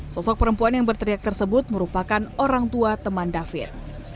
sosok perempuan yang berteriak tersebut merupakan orang tua teman david